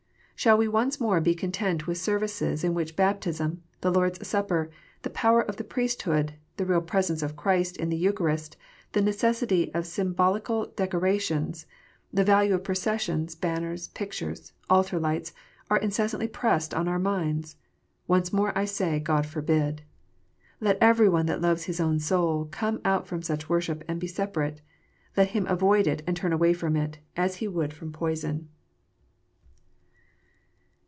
Shall we once more be content with services in which baptism, the Lord s Supper, the power of the priesthood, the real presence of Christ in the Eucharist, the necessity of sym bolical decorations, the value of processions, banners, pictures, altar lights, are incessantly pressed on our minds 1 Once more I say, God forbid ! Let every one that loves his soul come out from such worship and be separate. Let him avoid it and turn away from it, as he would from poison.